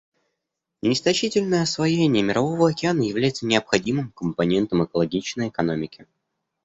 Неистощительное освоение Мирового океана является необходимым компонентом экологичной экономики.